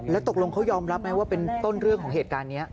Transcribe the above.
แล้วตกลงเขายอมรับไหมว่าเป็นต้นเรื่องของเหตุการณ์นี้